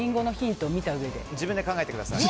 自分で考えてください。